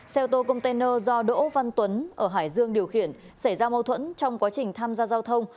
xe ô tô container do đỗ văn tuấn ở hải dương điều khiển xảy ra mâu thuẫn trong quá trình tham gia giao thông